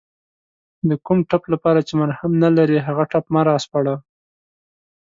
د کوم ټپ لپاره چې مرهم نلرې هغه ټپ مه راسپړه